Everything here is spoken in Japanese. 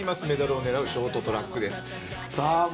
メダルを狙うショートトラックです。